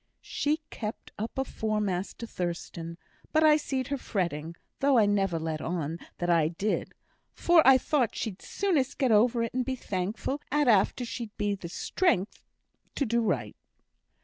She kept up afore Master Thurstan, but I seed her fretting, though I never let on that I did, for I thought she'd soonest get over it and be thankful at after she'd the strength to do right.